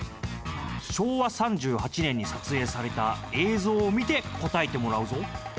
昭和３８年に撮影された映像を見て答えてもらうぞ。